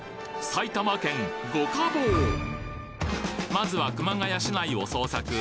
まずは熊谷市内を捜索。